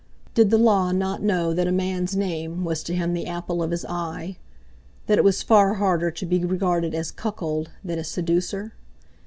Did the Law not know that a man's name was to him the apple of his eye, that it was far harder to be regarded as cuckold than as seducer?